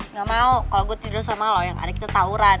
nggak mau kalau gue tidur sama lo yang ada kita tawuran